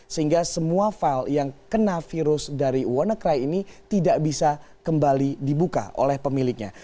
sehingga semua file yang kena virus dari wannacry ini tidak bisa kembali dibuka oleh pemiliknya